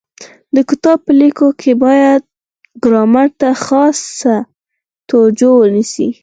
د کتاب په لیکلو کي باید ګرامر ته خاصه توجو وسي.